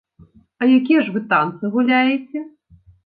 А якія ж вы танцы гуляеце?